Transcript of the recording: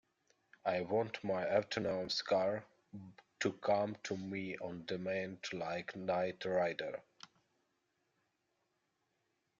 I want my autonomous car to come to me on demand like night rider.